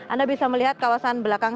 anda bisa melihat kawasan belakang